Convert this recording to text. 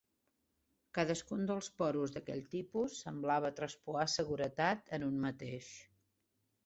Cadascun dels porus d'aquell tipus semblava traspuar seguretat en un mateix.